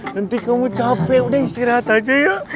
nanti kamu capek udah istirahat aja yuk